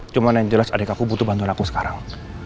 cuma yang jelas adik aku butuh bantuan aku sekarang